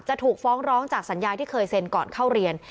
จะถูกฟ้องร้องจากสัญญาที่เคยเซ็นก่อนเข้าเรียน